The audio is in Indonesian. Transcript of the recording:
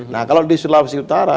nah kalau di sulawesi utara